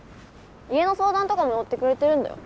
家の相談とか乗ってくれてるんだよ。